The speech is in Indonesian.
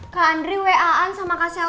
kak andri waan sama kak selvi